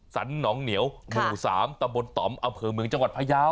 สันน้องเหนียวหมู่สามตะบนต่อมอเผิงเมืองจังหวัดพยาวฯ